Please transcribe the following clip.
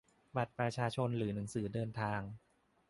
บัตรประชาชน หรือ หนังสือเดินทาง